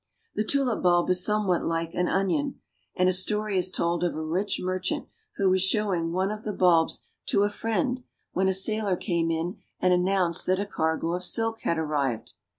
The tulip bulb is somewhat like an onion, and a story is told of a rich merchant who was showing one of the bulbs 142 THE NETHERLANDS. to a friend, when a sailor came in and announced that a cargo of silk had arrived.